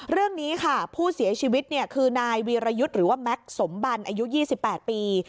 เรื่องนี้ค่ะผู้เสียชีวิตคือนายวีรยุทธ์หรือว่าแม็กซ์สมบันอายุ๒๘ปี